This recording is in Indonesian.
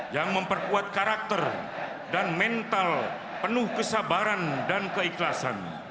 yang memperkuat karakter dan mental penuh kesabaran dan keikhlasan